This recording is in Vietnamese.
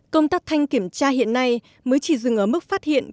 công tác thanh kiểm tra hiện nay mới chỉ dừng ở mức phát hiện